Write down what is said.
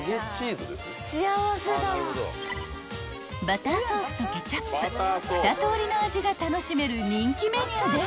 ［バターソースとケチャップ２とおりの味が楽しめる人気メニューです］